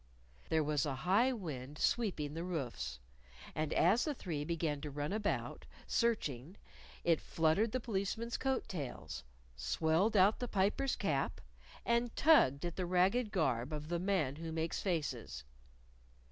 There was a high wind sweeping the roofs. And as the three began to run about, searching, it fluttered the Policeman's coat tails, swelled out the Piper's cap, and tugged at the ragged garb of the Man Who Makes Faces.